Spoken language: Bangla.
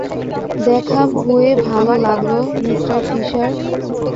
দেখা হয়ে ভালো লাগল, মিঃ ফিশার।